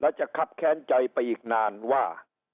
แล้วจะคับแค้นใจไปอีกนานว่า